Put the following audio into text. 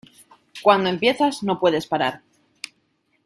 Cuando empiezas, no puedes parar.